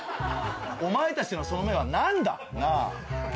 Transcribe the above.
お前たちのその目は何だ？なぁ！